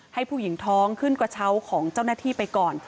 ให้ผู้หญิงท้องขึ้นกระเช้าของเจ้าหน้าที่ไปก่อน